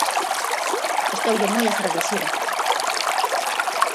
Estoulle moi agradecida.